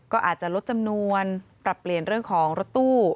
ก็อาจจะลดจำนวนปรับเปลี่ยนเรื่องของรถตู้